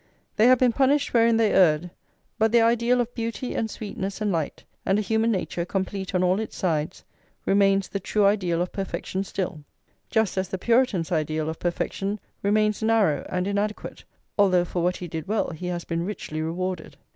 They have been punished wherein they erred; but their ideal of beauty and sweetness and light, and a human nature complete on all its sides, remains the true ideal of perfection still; just as the Puritan's ideal of perfection remains narrow and inadequate, although for what he did well he has been richly rewarded.